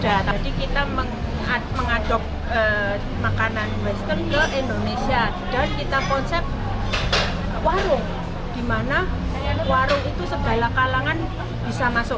jadi kita mengaduk makanan western ke indonesia dan kita konsep warung di mana warung itu segala kalangan bisa masuk